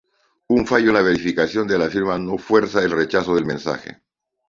Un fallo en la verificación de la firma no fuerza el rechazo del mensaje.